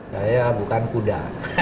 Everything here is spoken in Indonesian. saya bukan kuda